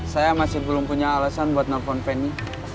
saya masih belum punya alasan buat nelfon peny